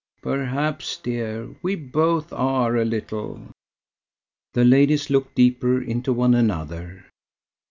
"Perhaps, dear, we both are, a little." The ladies looked deeper into one another.